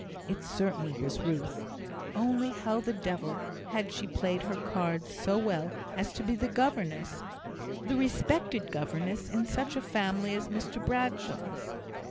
It certainly was Ruth; only how the devil had she played her cards so well as to be the governess the respected governess, in such a family as Mr Bradshaw's?